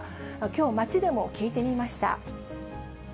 きょう、街でも聞いてみました。